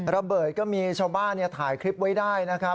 ระเบิดก็มีชาวบ้านเนี่ยถ่ายคลิปไว้ได้นะครับ